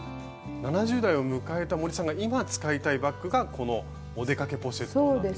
７０代を迎えた森さんが今使いたいバッグがこの「お出かけポシェット」なんですね。